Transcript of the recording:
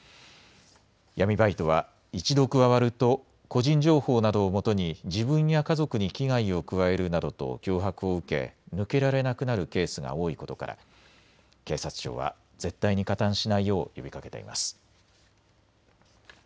闇バイトは一度加わると個人情報などをもとに自分や家族に危害を加えるなどと脅迫を受け抜けられなくなるケースが多いことから警察庁は絶対に加担しないよう呼びかけています。